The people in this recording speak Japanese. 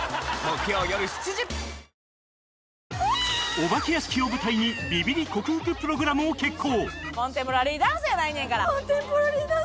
お化け屋敷を舞台にビビり克服プログラムを決行！